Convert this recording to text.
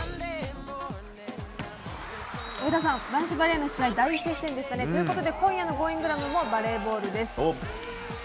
上田さん、男子バレーの試合大接戦でしたね。ということで今夜のＧｏｉｎｇｒａｍもバレーボールです。